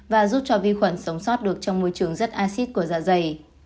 và giúp cho vi khuẩn sống sót được trong môi trường rất acid của dạ dày